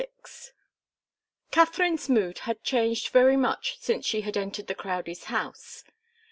Katharine's mood had changed very much since she had entered the Crowdies' house.